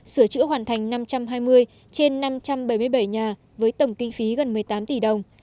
sửa chữa hoàn thành năm trăm hai mươi trên năm trăm bảy mươi bảy nhà với tổng kinh phí gần một mươi tám tỷ đồng